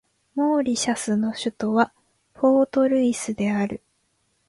モーリシャスの首都はポートルイスである